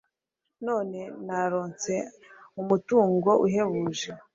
none naronse umutungo uhebuje